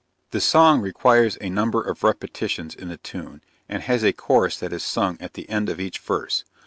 The song requires a number of repetitions in the tune, and has a chorus that is sung at the end of each verse.